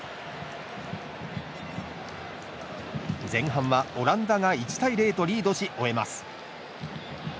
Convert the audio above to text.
前半はオランダが１対０とリードし終えます。